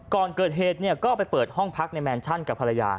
ก่อนเกิดเหตุก็ไปเปิดห้องพักในแมนชั่นกับภรรยา